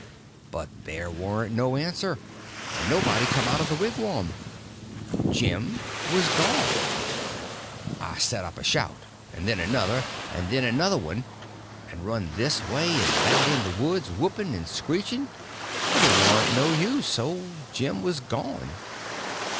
But there warn't no answer, and nobody come out of the wigwam. Jim was gone! I set up a shout—and then another—and then another one; and run this way and that in the woods, whooping and screeching; but it warn't no use—old Jim was gone.